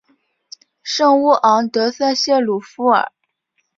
圣乌昂德塞谢鲁夫尔。